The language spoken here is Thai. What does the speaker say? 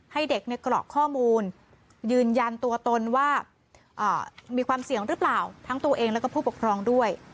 ให้เด็กในกรอกข้อมูลยืนยันตัวตนว่ามีความเสี่ยงหรือเปล่าทั้งตัวเองแล้วก็ผู้ปกครองด้วย